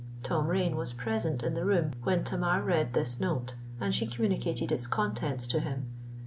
Tom Rain was present in the room when Tamar read this note; and she communicated its contents to him.